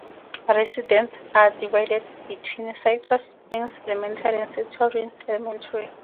Residents are divided between Citrus Springs Elementary and Central Ridge Elementary.